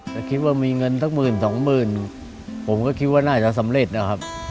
แต่คิดว่ามีเงินสักหมื่นสองหมื่นผมก็คิดว่าน่าจะสำเร็จนะครับ